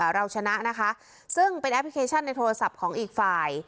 เราชนะนะคะซึ่งเป็นแอปพลิเคชันในโทรศัพท์ของอีกฝ่าย